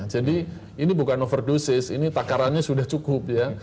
jadi ini bukan overdoses ini takarannya sudah cukup ya